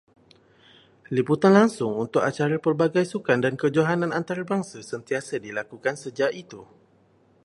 Liputan langsung untuk acara pelbagai sukan dan kejohanan antarabangsa sentiasa dilakukan sejak itu.